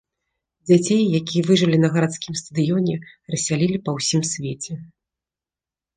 Дзяцей, якія выжылі на гарадскім стадыёне, рассялілі па ўсім свеце.